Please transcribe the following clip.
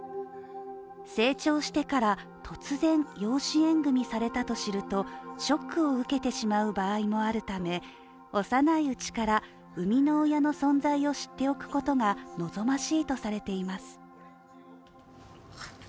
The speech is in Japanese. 成長してから突然、養子縁組されたと知るとショックを受けてしまう場合もあるため幼いうちから生みの親の存在を知っておくことが望ましいとされています。